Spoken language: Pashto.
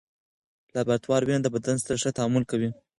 لابراتوار وینه د بدن سره ښه تعامل کوي.